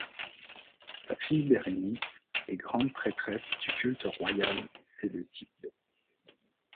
Sa fille Bérénice est grande-prêtresse du culte royal séleucide.